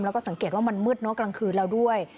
แล้วก็สังเกตว่ามันมืดเนอะกลางคืนแล้วด้วย